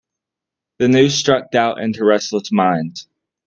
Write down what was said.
The news struck doubt into restless minds.